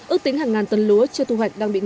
ước tính hàng ngàn tấn lúa chưa thu hoạch đang bị ngập